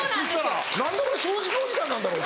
「何で俺正直おじさんなんだろう？」